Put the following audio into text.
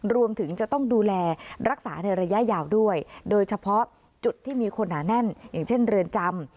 รวมถึงจะต้องดูแลรักษาในระยะยาวด้วยโดยเฉพาะจุดที่มีคนหนาแน่นอย่างเช่นเรือนจำ